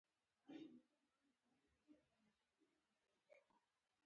ما ستا ملګري د ځان لپاره په څو ډلو بېل کړي وو.